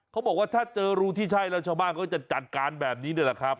เขาบอกว่าถ้าเจอรูที่ใช่แล้วชาวบ้านก็จะจัดการแบบนี้นี่แหละครับ